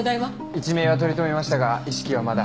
一命は取り留めましたが意識はまだ。